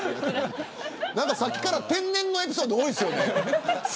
さっきから天然のエピソード多いですよね。